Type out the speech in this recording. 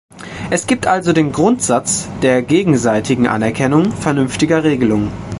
Es gibt also den Grundsatz der gegenseitigen Anerkennung vernünftiger Regelungen.